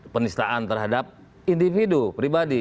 penistaan terhadap individu pribadi